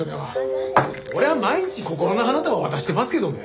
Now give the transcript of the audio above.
俺は毎日心の花束を渡してますけどね。